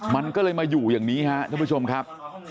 มันก็เลยมาอยู่อย่างนี้ครับท่านผู้ชมครับ